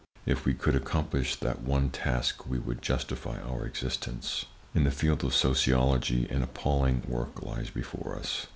If we could accomplish that one task we would justify our existence. In the field of Sociology an appalling work lies before us.